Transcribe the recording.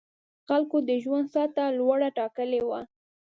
خلکو د ژوند سطح لوړه ټاکلې وه.